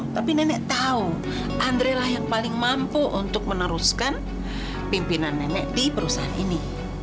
tapi nenek tahu andre lah yang paling mampu untuk meneruskan pimpinan nenek di perusahaan ini